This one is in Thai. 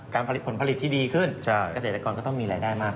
ผลผลิตที่ดีขึ้นเกษตรกรก็ต้องมีรายได้มาก